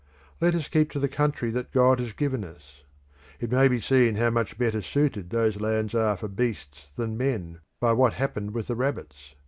Let us keep to the country that God has given us. It may be seen how much better suited those lands are for beasts than men by what happened with the rabbits.